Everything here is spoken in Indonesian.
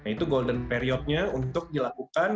itu golden period nya untuk dilakukan